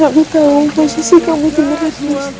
aku tak tahu posisi kamu di mana terus